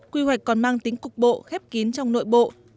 quy hoạch còn mang tính cục bộ khép kín trong nội bộ